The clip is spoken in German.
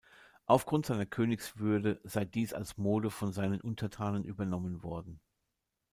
Aufgrund seiner Königswürde sei dies als Mode von seinen Untertanen übernommen worden.